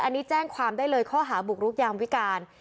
อันนี้แจ้งความได้เลยข้อหาบุกรุกยามวิการ